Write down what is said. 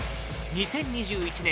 ２０２１年